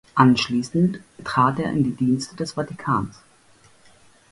Anschließend trat er in die Dienste des Vatikans.